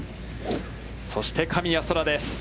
そして神谷そらです。